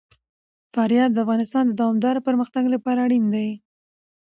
فاریاب د افغانستان د دوامداره پرمختګ لپاره اړین دي.